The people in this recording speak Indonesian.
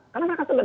karena mereka segan